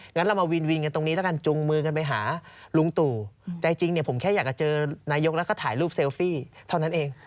งั้นเรามาวินวินกันตรงนี้แล้วกันจุงมือกันไปหาลุงตู่ใจจริงเนี่ยผมแค่อยากจะเจอนายกแล้วก็ถ่ายรูปเซลฟี่เท่านั้นเอง